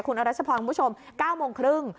คุณอรัชพรคุณผู้ชม๙โมงครึ่ง